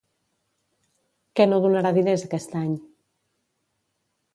Què no donarà diners aquest any?